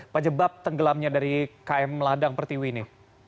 pajabab tenggelamnya dari kn ladang pertiwi ini